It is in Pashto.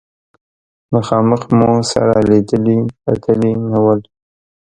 مخامخ مو سره لیدلي کتلي نه ول.